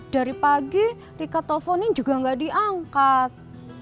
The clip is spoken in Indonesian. dari pagi rika teleponin juga enggak diangkat